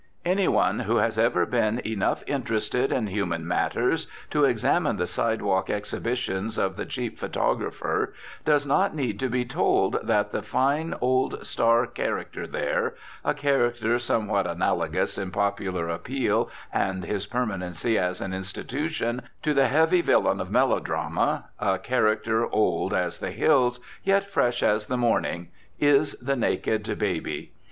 Any one who has ever been enough interested in human matters to examine the sidewalk exhibitions of the cheap photographer does not need to be told that the fine old star character there, a character somewhat analogous in popular appeal and his permanency as an institution to the heavy villain of melodrama, a character old as the hills, yet fresh as the morning, is the naked baby.